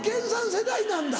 世代なんだ。